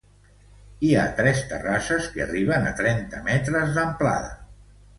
Hi ha tres terrasses que arriben a trenta metres d'amplada.